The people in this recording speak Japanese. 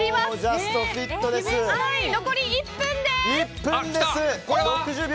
残り１分です。